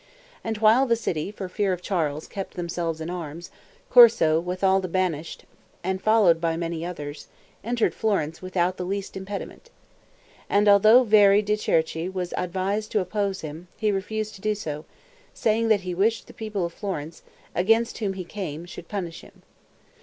And while the citizens, for fear of Charles, kept themselves in arms, Corso, with all the banished, and followed by many others, entered Florence without the least impediment. And although Veri de Cerchi was advised to oppose him, he refused to do so, saying that he wished the people of Florence, against whom he came, should punish him.